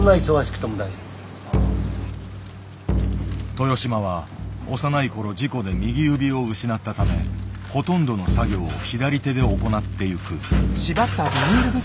豊島は幼い頃事故で右指を失ったためほとんどの作業を左手で行ってゆく。